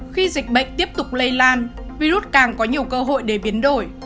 khi dịch bệnh tiếp tục lây lan virus càng có nhiều cơ hội để biến đổi